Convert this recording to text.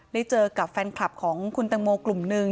ได้เจอกับแฟนคลับของคุณตังโมกลุ่มหนึ่ง